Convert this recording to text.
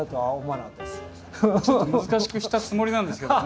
ちょっと難しくしたつもりなんですけどね。